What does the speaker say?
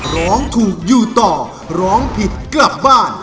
ร้องถูกอยู่ต่อร้องผิดกลับบ้าน